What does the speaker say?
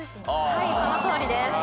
はいそのとおりです。